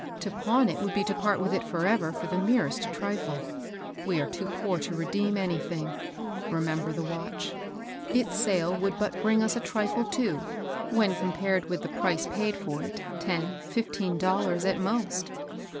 To pawn it would be to part with it forever for the merest trifle. We are too poor to redeem anything. Bemember the watch. Its sale would but bring us a trifle, too, when compared with the price paid for it — ten — fifteen dollars, at most.